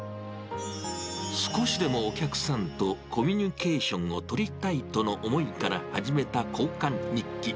少しでもお客さんとコミュニケーションを取りたいとの思いから始めた交換日記。